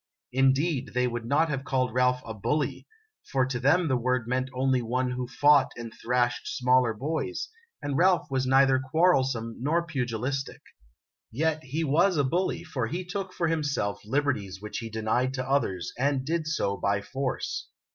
Indeed, they would not have called Ralph a " bully," for to them the word meant only one who fought and thrashed smaller boys, and Ralph was neither quarrelsome nor pugilistic. Yet he was a bully, for he took for himself liberties which he denied to others, and did so by force.